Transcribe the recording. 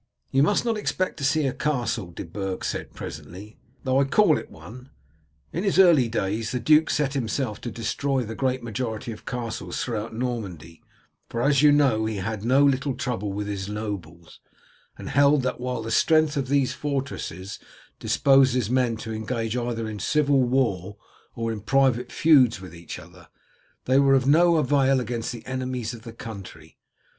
"You must not expect to see a castle," De Burg said presently, "though I call it one. In his early days the duke set himself to destroy the great majority of castles throughout Normandy, for as you know he had no little trouble with his nobles, and held that while the strength of these fortresses disposes men to engage either in civil war or in private feuds with each other, they were of no avail against the enemies of the country.